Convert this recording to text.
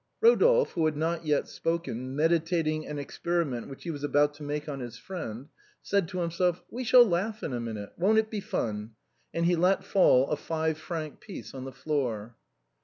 Eodolphe, who had not yet spoken, meditating an experi ment which he was about to make on his friend, said to himself :" We shall laugh in a minute. Won't it be fun? " and he let fall a five franc piece on the floor.